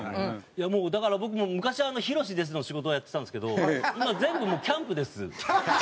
いやもうだから僕昔「ヒロシです」の仕事をやってたんですけど今全部もう「キャンプです」。